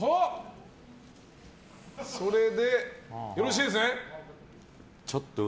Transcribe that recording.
それでよろしいですね。